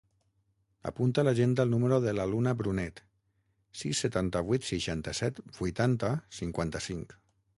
Apunta a l'agenda el número de la Luna Brunet: sis, setanta-vuit, seixanta-set, vuitanta, cinquanta-cinc.